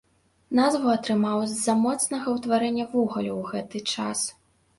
Назву атрымаў з-за моцнага ўтварэння вугалю ў гэты час.